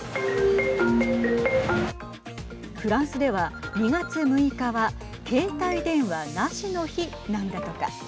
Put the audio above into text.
フランスでは２月６日は携帯電話なしの日なんだとか。